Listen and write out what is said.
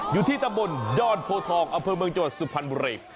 อยู่ที่ตำบลดอนโพทองอำเภอเมืองจังหวัดสุพรรณบุรี